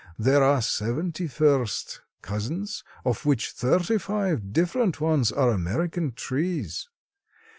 There are seventy first cousins, of which thirty five different ones are American trees.